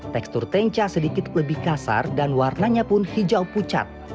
tekstur tenca sedikit lebih kasar dan warnanya pun hijau pucat